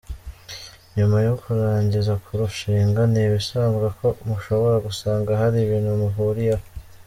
Nyuma yo kurangiza kurushinga, ni ibisanzwe ko mushobora gusanga hari ibintu muhuriyeho.